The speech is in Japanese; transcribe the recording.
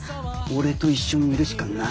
俺と一緒にいるしかないんだよ。